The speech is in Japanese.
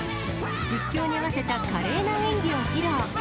実況に合わせた華麗な演技を披露。